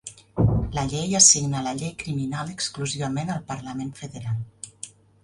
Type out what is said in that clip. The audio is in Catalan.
La Llei assigna la llei criminal exclusivament al Parlament Federal.